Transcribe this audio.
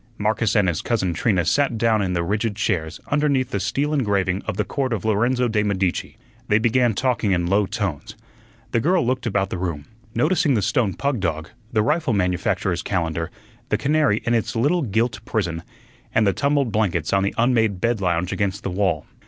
Marcus and his cousin Trina sat down in the rigid chairs underneath the steel engraving of the Court of Lorenzo de' Medici. They began talking in low tones. The girl looked about the room, noticing the stone pug dog, the rifle manufacturer's calendar, the canary in its little gilt prison, and the tumbled blankets on the unmade bed lounge against the wall.